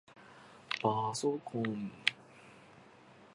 ぱそこん